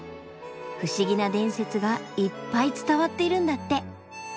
不思議な伝説がいっぱい伝わっているんだって。